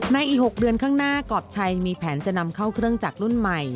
ในอีก๖เดือนข้างหน้ากรอบชัยมีแผนจะนำเข้าเครื่องจักรรุ่นใหม่